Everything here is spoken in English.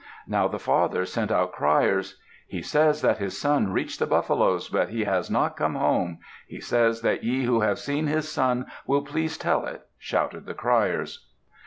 Now the father sent out criers. "He says that his son reached the buffaloes, but he has not come home. He says that ye who have seen his son will please tell it," shouted the criers.